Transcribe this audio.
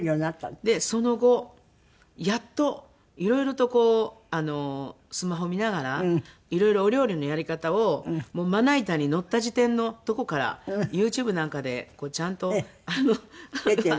でその後やっといろいろとこうスマホ見ながらいろいろお料理のやり方をまな板にのった時点のとこからＹｏｕＴｕｂｅなんかでちゃんと。出てる？